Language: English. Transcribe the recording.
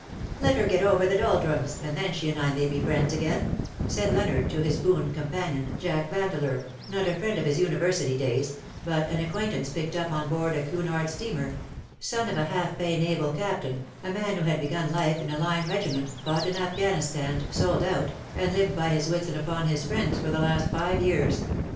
^^ Let her get over the doldrums, and then she and I may be friends again,^ * said Leonard to his boon companion, Jack Yandeleur, not a friend of his University days, but an acquaintance picked up on board a Cunard steamer — son of a half pay naval captain, a man who had begun life in a line regi ment, fought in Afghanistan, sold out^ and lived by his wits and upon his friends for the last five years.